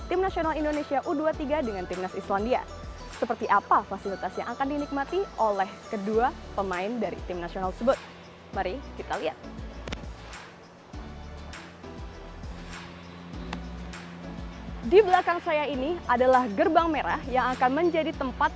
tim nasional indonesia dan islandia berkesempatan untuk mencoba berbagai fasilitas baru stadion utama gelora bukarno akan digunakan untuk pertandingan persahabatan antara tim nasional indonesia u dua puluh tiga dengan tni